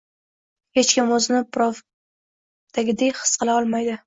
Hech kim o‘zini birovdagidek his qila olmaydi.